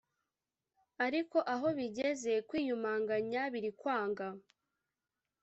ariko aho bigeze kwiyumanganya birikwanga